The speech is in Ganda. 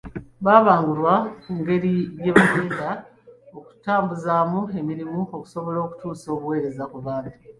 Babangulwa ku ngeri gye bagenda okutambuzaamu emirimu, okusobola okutuusa obuweereza ku bantu.